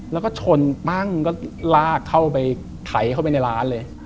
แล้วก็ชนปั้งก็ลากเข้าไปไถเข้าไปในร้านเลย